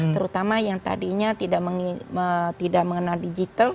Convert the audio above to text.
terutama yang tadinya tidak mengenal digital